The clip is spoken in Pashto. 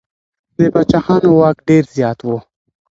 د پاچاهانو واک ډېر زيات و.